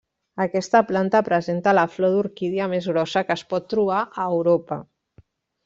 Aquesta planta presenta la flor d'orquídia més grossa que es pot trobar a Europa.